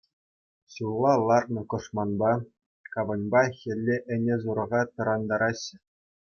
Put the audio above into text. Ҫулла лартнӑ кӑшманпа, кавӑнпа хӗлле ӗне-сурӑха тӑрантараҫҫӗ.